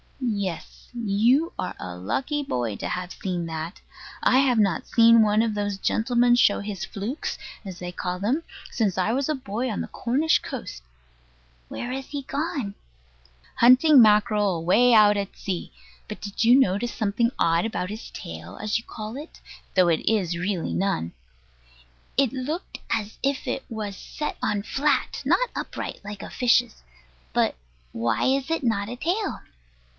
Yes. You are a lucky boy to have seen that. I have not seen one of those gentlemen show his "flukes," as they call them, since I was a boy on the Cornish coast. Where is he gone? Hunting mackerel, away out at sea. But did you notice something odd about his tail, as you call it though it is really none? It looked as if it was set on flat, and not upright, like a fish's. But why is it not a tail?